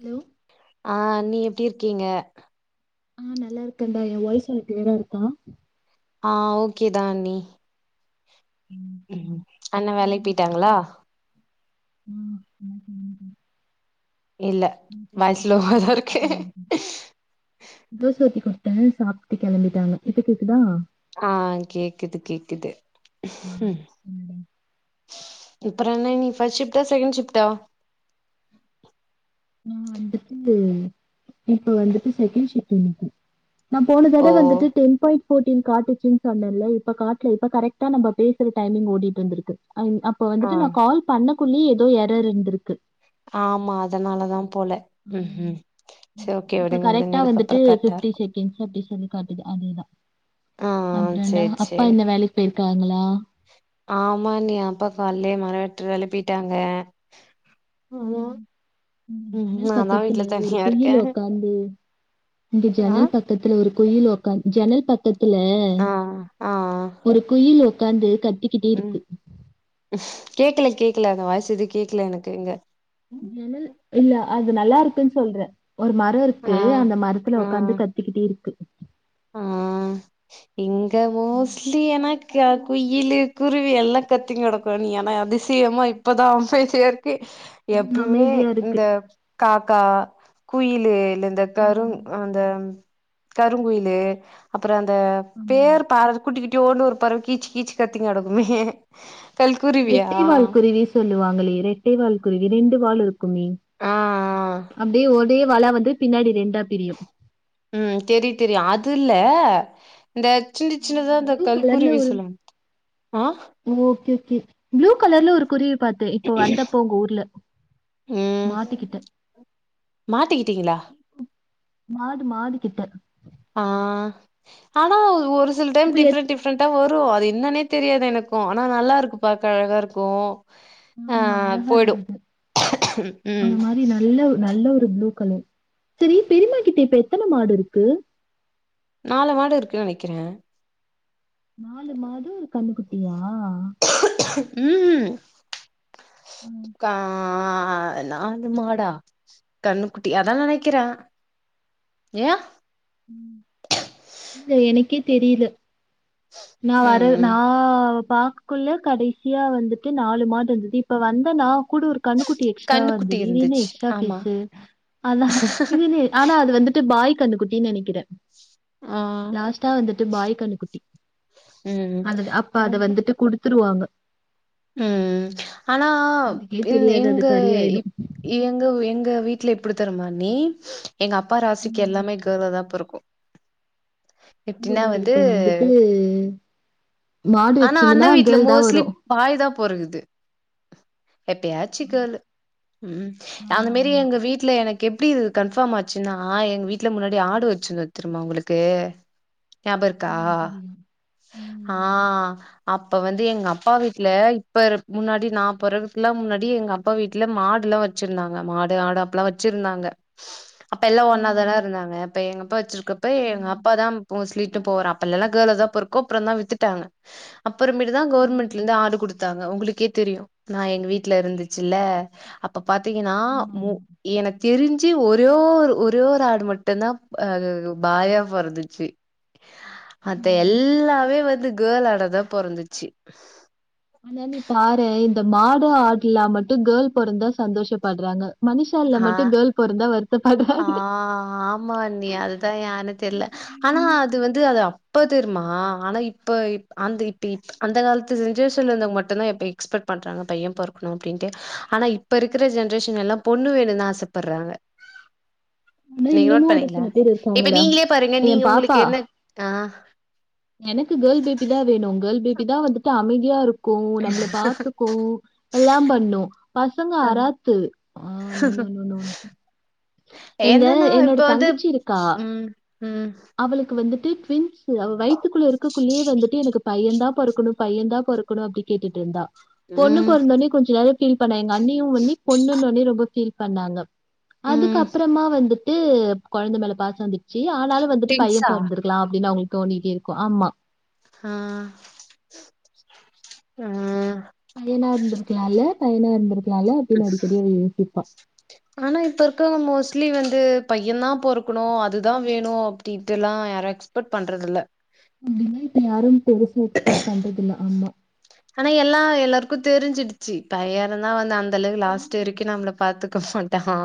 Hello ஆ அண்ணி எப்டி இருக்கீங்க ஆ நல்லா இருக்கண்டா எ வாய்ஸ்க்கு ஒனக்கு க்ளியரா இருக்கா ஆ ஓகேதா அண்ணி அண்ண வேலைக்கு போயிட்டாங்ளா [inaudible] இல்ல மனசுலோகாதா இருக்கு தோச ஊத்தி குடுத்தே சாப்ட்டு கெளம்பிட்டாங்க இப்ப கேக்குதா ஆ கேக்குது கேக்குது ம் அப்ற என்ன நீ ஃபர்ஸ்ட் ஷிப்டா செகண்ட் ஷிப்டா நா வந்துட்டு இப்ப வந்துட்டு செகண்ட் ஷிப்டு எனக்கு நா போன தட ஓ வந்துட்டு டென் பாயிண்ட் ஃபோட்டின் காட்டுச்சுன் சொன்னேல்ல இப்ப காட்ல இப்ப கரெக்டா நம்ப பேசுற டைமிங் ஓடிட் வந்திருக்கு அ அப்ப ஆ வந்துட்டு நா கால் பண்ணக்குள்ளயே ஏதோ எரர் இருந்திருக்கு ஆமா அதனாலதா போல ஆ, ம் ஹம் செரி ஓகே விடுங்க விடுங்க இதுக்குக்கப்புற கரெக்டா இருக்கு [unintelligible] னு காட்டுது அதேதா ஆ அப்றன்டா சேரி அப்பா சேரி என்ன வேலைக்கு போயிருக்காங்ளா ஆமா அண்ணி அப்பா கால்லே மர வெட்ற வேலைக்கு பேய்ட்டாங்க ம் ஜணல் நான்தா வீட்ல பக்கத்துல ஒரு தனியா இருக்கே குயில் ஒக்காந்து இங்க ஆ ஜனல் பக்கத்துல ஒரு குயில் ஒக்காந் ஜனல் பக்கத்துல ஆ ஆ ஒரு குயில் ஒக்காந்து கட்டி ம் கேக்கல கேக்கல அந்த வாய்ஸ் எது கேக்கல எனக்கு இங்க ஜனல் இல்ல அது நல்லாருக்குன் சொல்றே ஒரு மர ஆ இருக்கு அந்த மரத்துல ஆ ஒக்காந்து கத் திக்கிட்டே இருக்கு ஆ இங்க ம், மோஸ்லி ஏன்னா குயிலு குருவி எல்லா கத்தி்க்குனு கெடக்கு நீ ஏன்னா அதிசயமா இப்பதா அமைதியா இரு க்கு எப்பமே அமைதியா இருக்கு இந்த காக்கா குயிலு இல்ல இந்த கரு ம், அந்த கருங்குயிலு அப்புற அந்த ஆமா. பேர் பறவை குட்டி குட்டி ஒண்ணு ஒரு பறவை கீச் கீச் கத்திங்கினு கெடக்குமே கல்குருவியா ரெட்டை வால் குருவி சொல்லுவாங்களே ரெட்டை வால் குருவி ரெண்டு வால் இரு க்குமே ஆ ஆ அப்டியே ஒரே வாலா வந்து பின்னாடி ரெண்டா பிரியு ம் தெரியு தெரியு அது இல்ல இந்த சின்ன சின்னதா அந்த ப்ளூ கல் கலர்ல குருவி ஒரு சொல்லுங் ஆ ஓகே ஓகே ப்ளூ கலர்ல ஒரு குருவி பாத்தெ இப்ப வந்தப்பொ உங்க ஊர்ல ம் மாட்டுக்கிட்ட. மாத்திக்கிட்டீங்களா மாடு மாடுகிட்ட ஆ ஆனா ஒரு சில டைம் இப்ப எத் டிஃப்ரண்ட் டிஃப் ரன்ட்டா வரு அது என்னன்னே தெரியாது எனக்கு ஆனா நல்லாருக்கு பாக்க அழகாருக்கு ஆமா அழகா இருந்தது ம் அந்த மாரி நல்ல நல்ல ஒரு ப்ளூ கலர் செரி பெரிம்மா கிட்ட இப்ப எத்தன மாடு இருக்கு? நாலு மாடு இருக்கு நெனக்கிறே நாலு மாடு ஒரு கன்னுக்குட்டியா? ம்ஹும் அ. கா ஆ நாலு மாடா கன்னுக்குட்டி அதா நெனைக்கிறே ஏ ம் இல்ல எனக்கே தெரியில நா வர ம் நா பாக்க க்குள்ள கடைசியா வந்துட்டு நாலு மாடு இருந்தது இப்ப வந்த நா கூட ஒரு கன்னுக்குட்டி எக்ஸ்ட்ராவா கண்ணுக்குட்டி இந்தது இது என்ன இருந்துச்சு எக்ஸ்ட்ரா ஆமா ஃபேஸு அதா இதென்ன ஆனா அது வந்துட்டு பாய் கன்னுக்குட்டின் நெனக்கிறே ஆ தா வந்துட்டு பாய் கன்னுக்குட்டி ம் அது அப்ப அத ஆமா வந்துட்டு குடுத்துருவாங்க ம் ஆனா அதுக்கே இந் தெரியாது அது எங்க கறியாயிடு இ எங்க எங்க வீட்ல எப்டி தெரிமா அண்ணி எங்க அப்பா ராசிக்கு எல்லாமே கேளா தா பொறக்கு ஓ எப்டின்னா நீங்க வந்து இப்ப வந்துட்டு மாடு ஆனா அண்ண வச்சீங்கன்னா வீட்ல கேர்ள் தா மோஸ்லி வரு பாய் தா பொறக்குது எப்பயாச்சு கேளு ம் அந்த ஆமா மேரி ஆமா எங்க வீட்ல எனக்கு எப்டி இது கன்ஃபாம் ஆச்சுன்னா எங்க வீட்ல முன்னாடி ஆடு வச்சிருந்தொ தெரிமா உங்களுக்கு ஞாப இருக்கா ஆ தெரியு ஆ ம் அப்ப வந்து எங்க அப்பா வீட்ல இப்பர முன்னாடி நா பொறக்கதுக்லா முன்னாடி எங்க அ ப்பா வீட்ல மாடுல்லா வச்சுருந்தாங்க மாடு ஆடு அப்பல்லா வச்சுருந்தாங்க அப்ப எல்லா ஒன்னாதானெ ம் இருந்தாங்க அப்ப எங்கப்பா வச்சுருக்கப்ப ம் எங்கப்பா தா போஸ்லி விட்டு போவாரு அப்பல்லல்லா கேளாதா பொறக்கு அப்றந்தா வித்துட்டாங்க அப்பறமேட்டு தா ம் கவுர்மெண்ட்லெந்து ஆடு குடுத்தாங்க உங்களுக்கே தெரியு நா எங்க வீட்ல இருந்துச்சுல்ல அப்ப பாத்தீங்கனா ஆமா மு ஆமா எனக் தெரிஞ்சு ஒரே ஒரு ஒரே ஒரு ஆடு மட்டுந்தா அ அது பாயா பொறந்துச்சு மத்த ம். எல்லாமே வந்து கேள் ஆடாதா பொறந்துச்சி ஆனா நீ பாரே இந்த மாடு ஆடுலா மட்டு கேள் பொறந்தா சந்தோஷப்பட்றாங்க மனுஷால்ல மட்டு கேள் பொறந்தா வருத்தப்பட்றாங்க ஆ ஆ மா அண்ணி அதுதா ஏனு தெர்ல ஆனா அது வந்து அது அப்ப தெருமா ஆனா இப்ப இப் அந்த இப்ப இப் அந்த காலத்து ஜென்ரேஷன்ல இருந்தவ்ங்க மட்டுந்தா இப்ப எக்ஸ்பெட் பண்றாங்க பைய பொறக்கனு அப்டின்ட்டு ஆனா இ ப்ப இருக்குற ஜென்ரேஷன் எல்லா பொண்ணு வேணுன் ஆசப்பர்றாங்க ஆனா நீங்க இன்னமு நோட் ஒரு பண்ணீங்ளா சில பேர் இப்ப இருக்காங்கடா நீங்ளே பாருங்க எ நீங்க உங்களுக்கு பாப்பா என்ன ஆ எனக்கு கேர்ள் பேபி தா வேணு கேர்ள் பேபி தா வந்துட்டு அமைதியா இருக் கு நம்மள பாத்துக்கு எல்லா பண்ணு பசங்க அராத்து ஆ no no no no no. எங்க என்னன்னா இப்ப என்னோட வந்து தங்கச்சி இருக்கா. ம் ம் அவளுக்கு வந்துட்டு ட்வின்ஸ் அவ வயத்துக்குள்ள இருக்கக்குள்ளயே வந்துட்டு எனக்கு பையந்தா பொறக்கணு பையந்தா பொற க்குனு அப்டி கேட்டுட்டு இருந்தா பொண்ணு ம் பொறந்தோனே கொஞ்ச நேரம் ஃபீல் பண்ணா எங் க அண்ணியு ஒடனே பொண்ணுன்னோனே ரொம்ப ஃபீல் பண்ணாங்க ம் அதுக்கப்பறமா வந்துட் டு கொழந்தை மேல பாசம் வந்துடுச்சு ஆனாலு வந்துட்டு பையன் திங்ஸா பொறந்திருக்கலா அப்டின்னு அவங்களுக்கு தோணிடிட்டே இருக்கு, ஆமா ஆ ம் பையனா இருந்திருக்கலா இல்ல பையனா இருந்தக்கலா இல்ல அப்டின்னு அடிக்கடி யோசிப்பா ஆனா இப்ப இருக்குறவங்க மோஸ்ட்லி வந்து பையந்தா பொறக்கணு அதுதா வேணு அப்டி இப்டிலா யாரு எக்ஸ்பர்ட் பண்றது இல்ல அப்டின்னு இப்ப யாரு பெருசா எக்ஸ்பர்ட் பண்றதில்ல ஆமா ஆனா எல்லா எல்லாருக்கு தெரிஞ்சிடுச்சு பைய இருந்தா வந்து அந்த அளவுக்கு லாஸ்ட் வரைக்கு நம்மள பாத்துக்க மாட் டா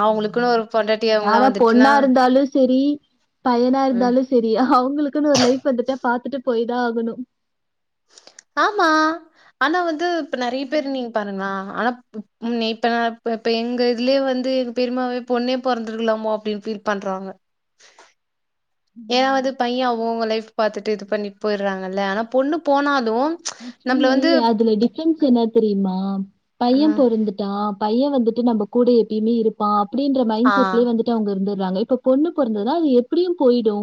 ஆமா, பொண்டாட்டி அவங்கல்லா நான்லா வந்துட்டுன்னா பொண்ணா இருந்தாலு சேரி பையனா ம் இருந்தாலு சேரி அவங்களுக்குன்னு ஒரு லைஃப் வந்துட்டா பாத்துட்டு போயிதா ஆகணு ஆமா ஆனா வந்து இப்ப நறைய பேரு ம் நீங்க பாருங்களா ஆனா ம் இப்ப நா இப்ப எங்க இதுலயே வந்து எங்க பெரிம்மாவே பொண்ணே பொறந்துருக்கலாமோ அப்டின்னு ஃபீல் பண்றாங்க ஏன்னா ம் வந்து பையன் அவங்க அவங்க லைஃப் பாத்துட்டு இது பண்ணிட்டு போயிடுறாங்கல்ல ஆனா பொண்ணு போனாலு ஆக்சுவலி நம்மள வந்து அதுல டிஃப்ரென்ஸ் என்ன தெரியுமா ஆ பையன் பொறந்துட்டா பையன் வந்துட்டு நம்ம கூட எப்பயுமே இருப்பா அப்டிகின்ற மைண்ட் ஆ, செட்டிலே வந்துட் டு அவங்க இருந்துட்றாங்க இப்ப பொண்ணு பொறந்ததா அது எப்டியு போயிடு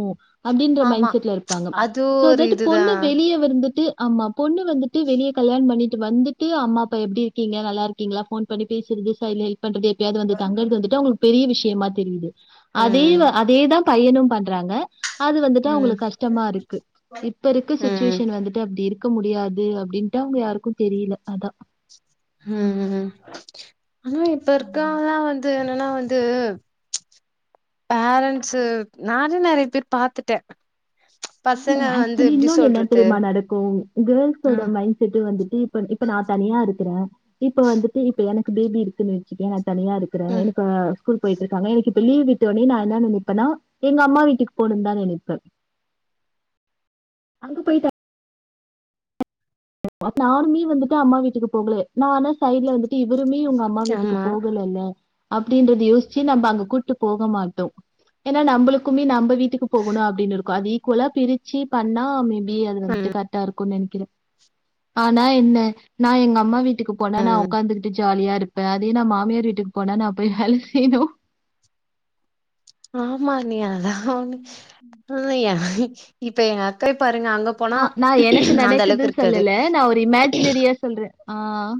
அப்டியின்ற ஆமா. மைண்ட் செட்ல இருப்பாங்க அது சோ ஒரு தட் பொண்ணு இதுதான். வெளியே வந்துட்டு ஆமா பொண்ணு வந்துட்டு கல்யாணம் வெளிய பண்ணிட்டு வந்து ட்டு அம்மா அப்பா எப்டி இருக்கீங்க நல்லா இருக்கீங்களா ஃபோன் பண்ணி பேசுறது சைடுல மீட் பண்றது எப்பயாவது வந்து தங்குறது வந்துட்டு அவங்களுக் பெரிய விஷயமா தெரியுது அதே ம். அதேதா பையனு பண்றாங்க அது வந்துட்டு ம். அவங்களுக்கு கஷ்டமா இருக்கு இப்ப இருக்க ம். சுச்சுவேஷன் வந்துட்டு அப்படி இருக் க முடியாது அப்டின்ட்டு அவங்க யாருக்கு தெரியல அதா ம், ம் ஆனா இப்ப இருக்கவாங்க வந்து என்னன்னா வந்து பேரன்ஸ்சு நானு நறைய பேர் பாத்துட்ட ஆமா ஆக்சுவலி இன்னொன்னு என்ன சொல்றது? தெரியுமா நடக்கு கேர்ள்ஸோட ம். மைண்ட் செட்டு வந்துட்டு இப்ப இப்ப நா தனியா இருக்கறே இப்ப வந்துட்டு இப்ப எனக்கு பேபி இருக்குன்னு வச் சிக்கய நா தனியா இருக்கிற ம். எனக்கு ஸ்கூல் போயிட்டு இருக்காங்க எனக்கு இப்ப லீவ் விட்டோனே நா என்ன நெனைப்பனா எங்க அம்மா வீட்டு போணுனுதா நெனைப்பே அங்க போயிட்டு நானுமே வந்துட்டு அம்மா வீட்டுக்கு போகலயே நா ஆனா சைடுல வந்துட்டு இவருமே உங்க அம்மா வீட்டுக்கு ஆமா. போகலல்ல அப்டின்றது யோசிச்சு நம்ம அங்க கூட்டிபோக மாட்டோ ஏன்னா நம்மளுக்குமே நம்ம வீட் டுக்கு போகணு அப்டின்னு இருக்கு அது ஈக்குவலா பிரிச்சு பண்ணா மே பி அது வந்துட்டு கரெக்டா இருக்கும்னு நெனைக்கிறே ஆனா என்ன நா எங்க அம்மா வீட்டுக்கு போனா நா உ க்காந்துகிட்டு ஜாலியா இருப் இப்ப அதே நா மாமியார் வீட்டுக்கு போனா நா போய் வேல செய்யணு ஆமா நீ அதா ஒன்னு இல்ல எ இப்ப என் அத் தைய பாருங்க அங்க போனா ஆ நா எனக்கு அந்த அளவுக்கு நடக்குதுன்னு இருக்காது. சொல்லல நா ஒரு இமேஜினரியா சொல்றே ஆஹ்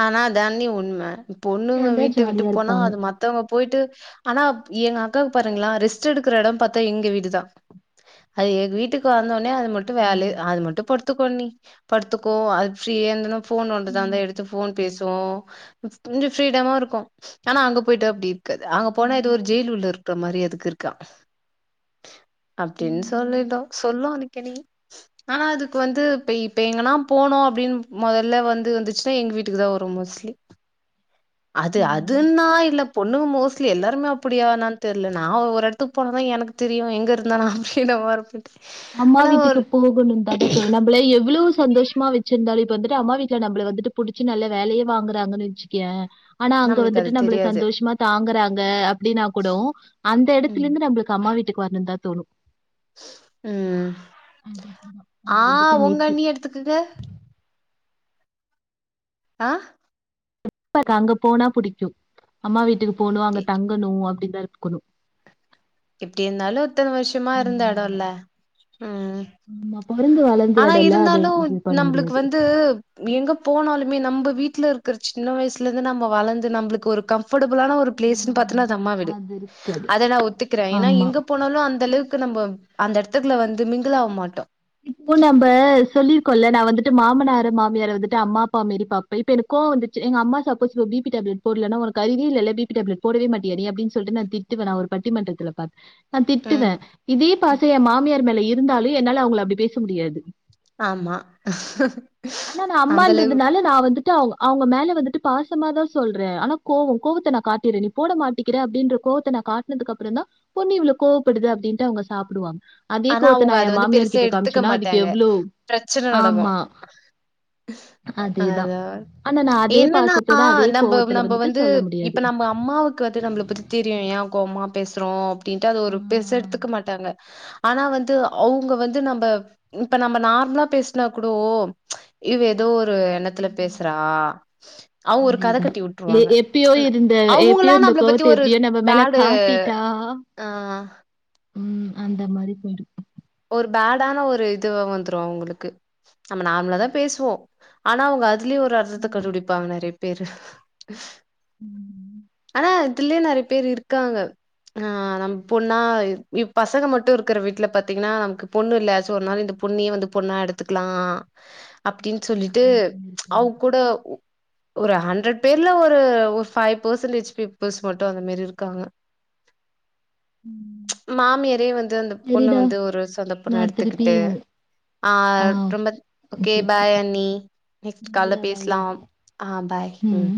ஆனா அதானே உண்ம இப்ப இங்க பொண்ணுங்க வந்தா வீட்ட விட்டு ஜாலியா போனா இருப்பாங்க அது மத் மத்தவங்க போய்ட்டு ஆனா எங்க அக்காக்கு பாருங்ளே ரெஸ்ட் எடுக்குற எடோ பாத்தா எங்க வீடுதா ஐயோ அது வீட்டுக்கு வந்தோனே அது மட்டு வேலு ஆமா அது மட்டு பொறுத்துக்கோண்ணி படுத்துக்கோ அது ஃபிரியா இருந்தனா ஃபோன் நோண்டு ம் வந்தா எடுத்து ஃபோன் பேசுவோ கொஞ்சோ ஃபீரீடமா இருக்கு ஆனா அங்க போய்ட்டு அப்டி அங்க போனா எதோ ம் ஒரு ஜெயில் உள்ள இருக்ற மாரி அதுக்கு இருக்கா ம் அப்டின்னு சொல்லிட்டோ சொல்லு அன்னைக் தோழி ஆனா அதுக்கு வந்து இப்ப இப்ப எங்கனா போனு அப்டின்னு முதல வந் அது வந்துச்சுன்னா எங்க வீட்டுக்கு தா வரும் மோஸ்ட்லி அது ம் அதுன்னா இல்ல பொண்ணுங்க மோஸ்ட்லி எல்லாருமே அப்டியா என்னான்னு தெர்ல நா ஒரு எடத்துக்கு போனதா எனக்கு தெரியு எங்கே இருந்தா நா இட ஓரத்துல அம்மா வீட்டுக்கு போகணு தட தோணுலாம் எவ்ளவு சந்தோஷமா வச்சிருந்தாலு இப்ப வந்துட்டு அம்மா வீட்ல நம்ள வந்துட்டு பிடிச்சு நல்லா வேலயே வாங்குகிறாங்கனு வச்சுக்கோ ஏ ஆனா அங்க நம்மளுக்கு வந்துட்டு அது நம்மள தெரியாது சந்தோஷமா தாங்குறாங்க அப்டின்னா கூடவு அந்த ம் இடத்துலருந்து நம்மளுக்கு அம்மா வீட்டுக்கு வரணுன்னு தா தோணு உம் அது அப்படிதான். அது வந்துட்டு ஆஹ் உங்க நேச்சர். அண்ணிய எடுத்துக்கிட்டு ஆஹ் அங்க போனா பிடிக்கு அம்மா வீட்டுக்கு போணு அங்க எ தங்கணு அப்டின்னுதா இருக்கணு எப்டி இருந்தாலு இத்தன வருஷமா அந்த இருந்த மாதிரிதான். எடோல்ல ம் நம்ம பொறந்து வளர்ந்த ஆனா எடம்லாம் அது இருந்தாலு இது பண்ண நம்ளுக்கு முடியாது. வந்து எங்க போனாலுமே நம்ம வீட்ல இருக்குற சின்ன வயசுலருந்து நம்ம வளந்து நம்மளுக்கு ஒரு கம்ஃபர்டபுளான ஒரு ஆ பிளேஸ்னு பாத்தனா அது அம்மா வீடு அது இருக்காது. அத நா ஒத்துக்கிறே ஏன்னா இங்க ஆமா. எங்க போனாலு அந்த அளவுக்கு நம்ம அந்த எடத்துக்ல வந்து மிங்கிளாக மாட்டோ இப்போ நம்ப சொல்லியிருக்கோல நா வந்துட்டு மாமனார் மாமியார வந்துட்டு அம்மா அப்பா மேரி பாப் இப்ப எனக் கோவ வந்துச்சி எங்க அம்மா சப்போஸ் இப்போ பி பி டேப்லட் போடலன்னா ஒனக்கு அறிவே இல்ல பி பி டேப்லட் போடவே மாட்டியா நீ அப்டினு சொல்லிட்டு நா திட் டுவே நா ஒரு பட்டிமன்றத்துல பாத் நா ம் திட்டுவே இதே பாச ம் என் மாமியார் மேல இருந்தாலு என்னால அவங்கள அப்டி பேச முடியாது ஆமா அந்தளவு நா வந்துட்டு அவ அவங்க மேல வந்துட்டு பாசமா தான் சொல்றே ஆனா கோவம் கோவத்த நா காட்டிறனே போட மாட்டிக்கிற அப்டின்ற கோவத்த நா காட்னதுக்கு அப்புறோ தா பொன்னு இவ்ள கோவப்படுது அப்டின்ட்டு அவங்க சாப்டுவாங்க அதே ஆனா கோவத்த அவங்க நா அத என் வந்து மாமியார் பெருசா கிட்ட எடுத்துக்க காமிச்சன்னா அதுக்கு மாட்டாங்க எவ்ளோ பிரச்சன நடக்கு ஆமா அதேதான். அதா ஆனா நான் அதே என்னன்னா பாசத்தோட அதே நம்ப கோவத்துல நம்ப வந்துட்டு வந்து சொல்ல முடியாது இப்ப நம்ம அம்மாவுக்கு வந்து நம்மள பத்தி தெரியு ஏன் கோவமா பேசுறோ அப்டின்ட்டு அது ஆ ஒரு பெர்ச எடுத்துக்க மாட்டாங்க ஆனா வந்து அவங்க வந்து நம்ப இப்ப நம்ம நார்மலா பேசுனா கூட இவ ஏதோ ஒரு என்னத்துல ம் பேசுறா அவங்க ஒரு கத அதேதான் கட்டி எ வுட்டுருவாங்க எப்பயோ இருந்த எப்பயோ அவங்களா இருந்த நம்ள பத்தி டி கோவத்த ஒரு இது எப்படியோ நம்ம மேல பேடு காட்டிட்டா ஆ ம் அந்த மாரி போயிருக்கு ஒரு பேடான ஒரு இதுவ வந்துரு அவங்களுக்கு நம்ம நார்மலா தா பேசுவோ ஆனா அவங்க அதுலே ஒரு அர்த்தத்த ம் கண்டுபிடிப்பாங்க நெறைய பேரு ம் ஆ இதுலே நெறைய பேர் இருக்காங்க ஆ நம் பொண்ணா பசங்க மட்டு இருக்குற வீட்ல பத் பாத்தீங்கன்னா நமக்கு பொண்ணு இல்ல சோ அதனால இந்த பொண்ணே வந்து பொண்ணா எடுத்துக்கலா அப்டின் ஆமா சொல்லிட்டு நான் பண்ணிருக்கேன் அவங் கூட ஒரு ஹண்ட்ரேட் பேர்ல ஒரு ஃபைவ் பெர்சன்டேஜ் பீப்புள்ஸ் மட்டு அந்த மாரி இருக்காங்க ம் மாமியரே வந்து அந்த பொண்ணு சரிடா வந்து ஒரு சொந்த பொண்ணா நான் திருப்பி எடுத்துக்கிட்டு ஆ ரொம்ப ஓகே பாய் அண்ணி நெக்ஸ்ட் கால்ல பாய்டா பேசலா பாய்டா ஆ பாய் ம்